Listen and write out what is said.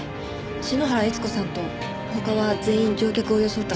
篠原悦子さんと他は全員乗客を装った捜査員だけです。